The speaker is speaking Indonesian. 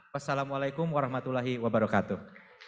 wassalamu alaikum warahmatullahi wabarakatuh